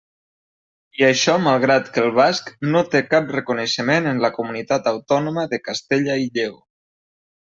I això malgrat que el basc no té cap reconeixement en la comunitat autònoma de Castella i Lleó.